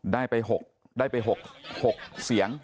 ได้ไป๖เสียง